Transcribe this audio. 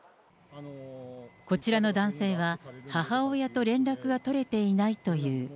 こちらの男性は、母親と連絡が取れていないという。